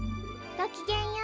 ・ごきげんよう。